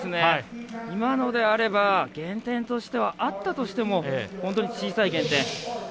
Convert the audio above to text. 今のであれば減点としてはあったとしても本当に小さい減点。